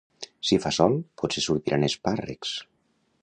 Si fa sol, potser sortiran espàrrecs.